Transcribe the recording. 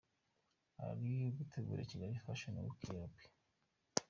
Abari gutegura Kigali Fashion Week Europe .